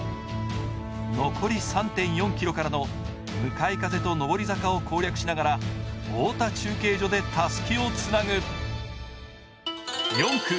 残り３．４ｋｍからの向かい風と上り坂を攻略しながら、太田中継所でたすきをつなぐ。